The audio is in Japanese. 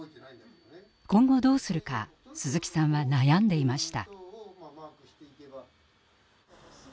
今後どうするか鈴木さんは悩んでいました。